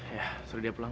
ya suruh dia pulang